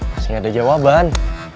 masih gak ada jawaban